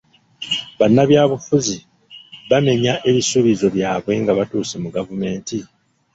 Bannabyabufuzi bamenya ebisuubizo byabwe nga batuuse mu gavumeenti?